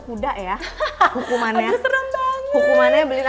kuda ya hukumannya seram banget